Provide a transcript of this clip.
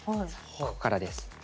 ここからです。